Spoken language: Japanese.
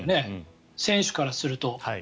選手からすると。